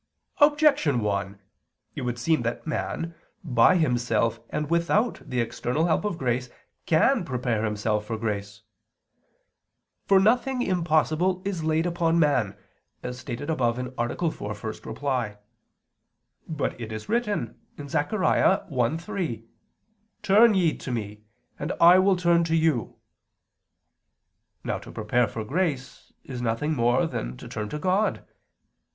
Objection 1: It would seem that man, by himself and without the external help of grace, can prepare himself for grace. For nothing impossible is laid upon man, as stated above (A. 4, ad 1). But it is written (Zech. 1:3): "Turn ye to Me ... and I will turn to you." Now to prepare for grace is nothing more than to turn to God.